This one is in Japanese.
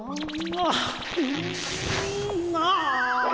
ああ。